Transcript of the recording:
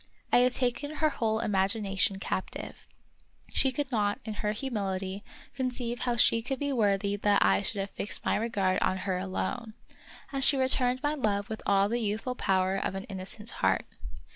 I had taken her whole imagination captive. She could not, in her humility, conceive how she could be worthy that I should have fixed my regard on her alone ; and she returned my love with all the youthful power of an innocent heart.